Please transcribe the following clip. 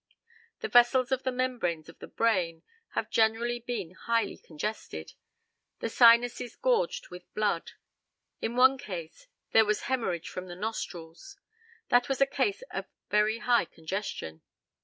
The vessels of the membranes of the brain have generally been highly congested. The sinuses gorged with blood. In one case there was hemorrhage from the nostrils. That was a case of very high congestion.